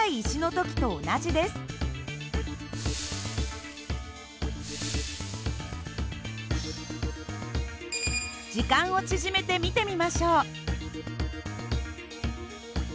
時間を縮めて見てみましょう。